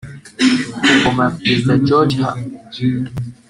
ku ngoma ya Perezida George H